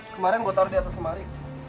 kemarin gue taruh di atas semari